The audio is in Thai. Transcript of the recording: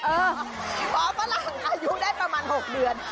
หมอฝรั่งอายุได้ประมาณ๖เดือน